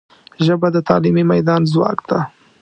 ژبه د تعلیمي میدان ځواک ده